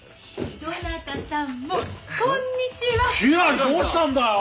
どうしたんだよ。